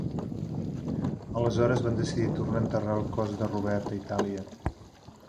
Aleshores van decidir tornar a enterrar el cos de Robert a Itàlia.